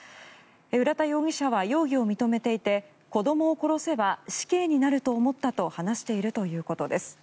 浦田容疑者は容疑を認めていて子どもを殺せば死刑になると思ったと話しているということです。